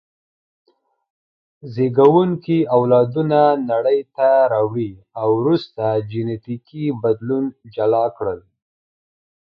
زېږوونکي اولادونه نړۍ ته راوړي او وروسته جینټیکي بدلون جلا کړل.